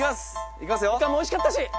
みかんもおいしかったし！